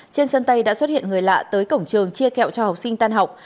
trên sân tay đã xuất hiện người lạ tới cổng trường chia kẹo cho học sinh tan học